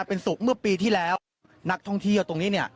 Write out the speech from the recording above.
เป็นสุขเมื่อปีที่แล้วนักท่องเที่ยวตรงนี้เนี่ย